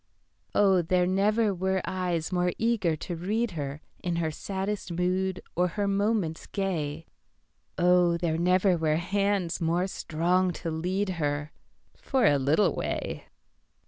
Oh, there never were eyes more eager to read herIn her saddest mood or her moments gay, Oh, there never were hands more strong to lead her—For a little way.